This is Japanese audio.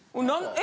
え？